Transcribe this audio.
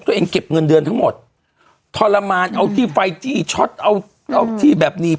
เก็บเงินเดือนทั้งหมดทรมานเอาที่ไฟจี้ช็อตเอาเอาที่แบบนี้